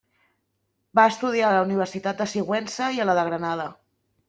Va estudiar a la universitat de Sigüenza i a la de Granada.